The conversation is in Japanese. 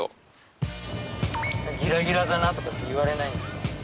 「ギラギラだな」とかって言われないんですか？